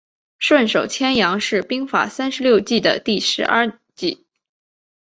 顺手牵羊是兵法三十六计的第十二计。